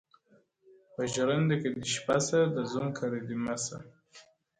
o په ژرنده کي دي شپه سه، د زوم کره دي مه سه.